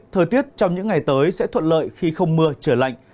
thời tiết trong những ngày tới sẽ thuận lợi khi không mưa trở lạnh